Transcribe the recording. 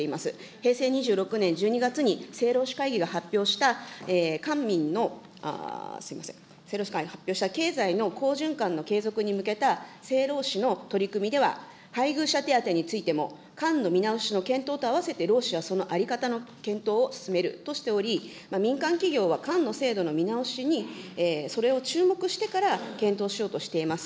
平成２６年１２月に政労使会議が発表した官民の、すみません、政労使会議が発表した経済の好循環の継続に向けた政労使の取り組みでは、配偶者手当についても官の見直しを検討とあわせて、労使はその在り方の検討を進めるとしており、民間企業は官の制度の見直しにそれを注目してから、検討しようとしています。